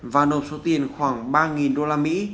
và nộp số tiền khoảng ba usd